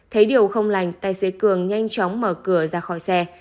thấy điều không lành tài xế cường nhanh chóng mở cửa ra khỏi xe